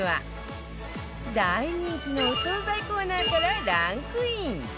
大人気のお惣菜コーナーからランクイン